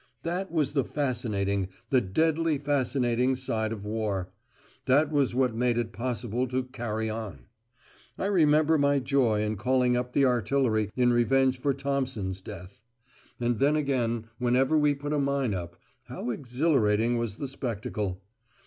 That was the fascinating, the deadly fascinating side of war. That was what made it possible to "carry on." I remembered my joy in calling up the artillery in revenge for Thompson's death. And then again, whenever we put a mine up, how exhilarating was the spectacle!